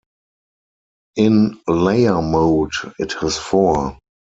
In Layer mode, it has four.